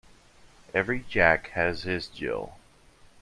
Every Jack has his Jill.